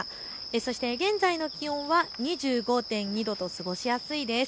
そして現在の気温２５．２度と過ごしやすいです。